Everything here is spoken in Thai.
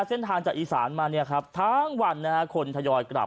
เส้นทางจากอีสานมาทั้งวันคนทยอยกลับ